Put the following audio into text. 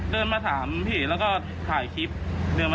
เดินมาถามพี่แล้วก็ถ่ายคลิป